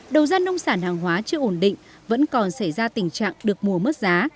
đầu gian nông sản hàng hóa chưa ổn định vẫn còn xảy ra tình trạng được mùa mất giá